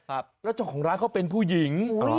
แล้วเจ้าของร้านเขาเป็นผู้หญิง